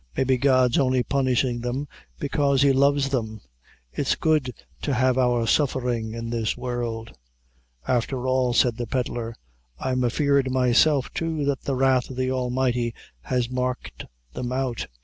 "Maybe God's only punishing them, bekaise he loves them. It's good to have our suffering in this world." "Afther all," said the pedlar, "I'm afeard myself, too, that the wrath o' the Almighty has marked them out.